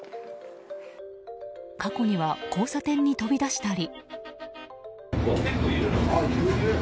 過去には交差点に飛び出したり。